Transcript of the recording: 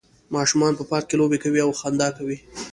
ماشومان په پارک کې لوبې کوي او خندا کوي